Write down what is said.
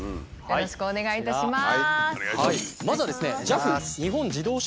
よろしくお願いします。